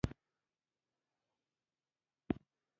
ډیپلوماسي د سیاسي واحدونو سره د معاملو اداره کول دي